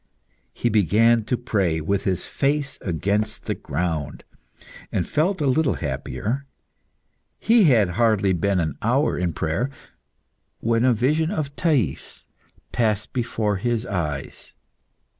He began to pray, with his face against the ground, and felt a little happier. He had hardly been an hour in prayer, when a vision of Thais passed before his eyes.